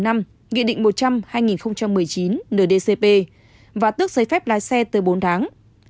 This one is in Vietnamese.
nghị định một trăm linh hai nghìn một mươi chín ndcp và tước giấy phép lái xe tới bốn tháng